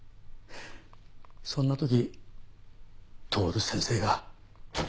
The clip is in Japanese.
そんな時徹先生が。